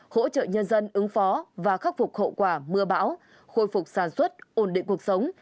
hỗ trợ nhân dân ứng phó và khắc phục hậu quả mưa bão khôi phục sản xuất ổn định cuộc sống